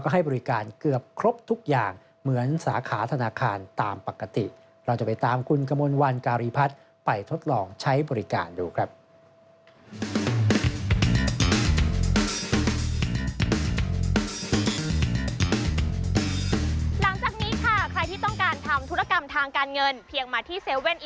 หลังจากนี้ค่ะใครที่ต้องการทำธุรกรรมทางการเงินเพียงมาที่๗๑๑